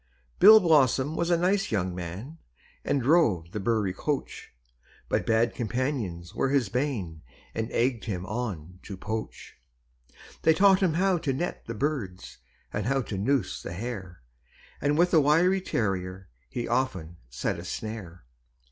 Bill Blossom was a nice young man, And drove the Bury coach; But bad companions were his bane, And egg'd him on to poach. They taught him how to net the birds, And how to noose the hare; And with a wiry terrier, He often set a snare.